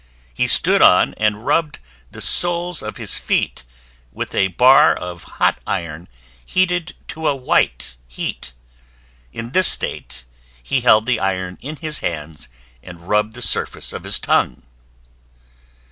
He stood on and rubbed the soles of his feet with a bar of hot iron heated to a white heat; in this state he held the iron in his hands and rubbed the surface of his tongue.